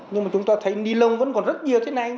nhưng mà chúng ta thấy ni lông vẫn còn rất nhiều thế này